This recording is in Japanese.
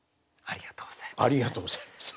ありがとうございます。